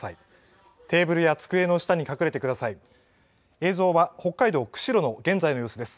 映像は北海道釧路の現在の様子です。